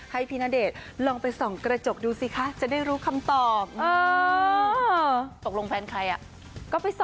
ไฮคิดถึงทุกคนนะคะ